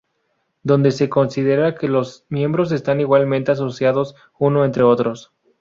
Donde se considera que todos los miembros están igualmente asociados unos entre otros.